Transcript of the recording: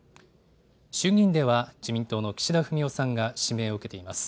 衆議院では自民党の岸田文雄さんが指名を受けています。